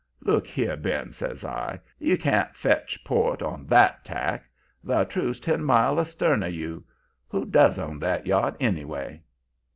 "'Look here, Ben,' says I. 'You can't fetch port on that tack. The truth's ten mile astern of you. Who does own that yacht, anyway?'